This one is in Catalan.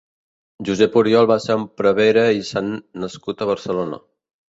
Josep Oriol va ser un prevere i sant nascut a Barcelona.